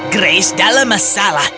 grace dalam masalah